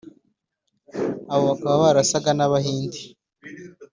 abo bakaba barasaga n’abahinde